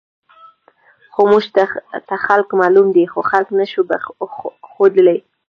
خو موږ ته خلک معلوم دي، خو خلک نه شو ښودلی.